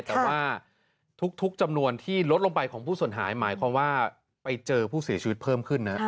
แต่ว่าทุกจำนวนที่ลดลงไปของผู้สูญหายหมายความว่าไปเจอผู้เสียชีวิตเพิ่มขึ้นนะ